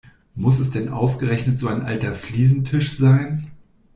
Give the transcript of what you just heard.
Muss es denn ausgerechnet so ein alter Fliesentisch sein?